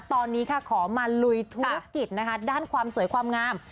ตอนนี้ค่ะขอมาลุยธุรกิจนะคะด้านความสวยความงาม